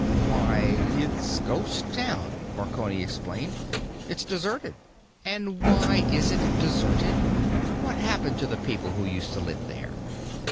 "Why, it's Ghost Town," Marconi explained. "It's deserted." "And why is it deserted? What happened to the people who used to live there?"